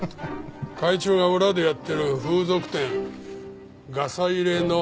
会長が裏でやってる風俗店ガサ入れの話もありますよ。